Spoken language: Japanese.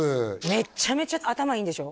めちゃめちゃ頭いいんでしょ？